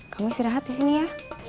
kamu istirahat di sini ya